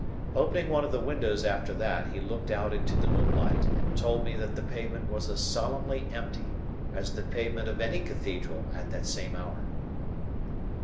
Opening one of the windows after that, he looked out into the moonlight, and told me that the pavement was as solemnly empty as the pavement of any cathedral at that same hour.